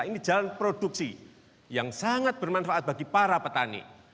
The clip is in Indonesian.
ini jalan produksi yang sangat bermanfaat bagi para petani